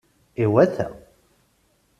Iwata!